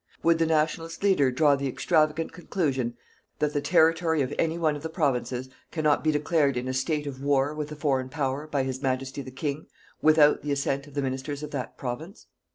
Would the Nationalist leader draw the extravagant conclusion that the territory of any one of the Provinces cannot be declared in the "State of War" with a Foreign Power, by His Majesty the King, without the assent of the Ministers of that Province?